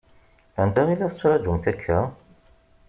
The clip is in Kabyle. Anta i la tettṛaǧumt akka?